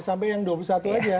sampai yang dua puluh satu aja